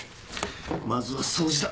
まずは掃除だ。